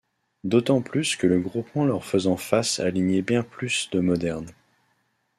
D'autant plus que le groupement leur faisant face alignait bien plus de modernes.